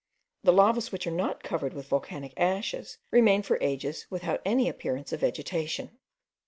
The lavas which are not covered with volcanic ashes remain for ages without any appearance of vegetation.